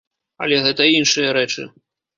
Але гэта іншыя рэчы.